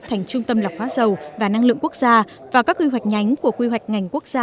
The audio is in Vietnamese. thành trung tâm lọc hóa dầu và năng lượng quốc gia vào các quy hoạch nhánh của quy hoạch ngành quốc gia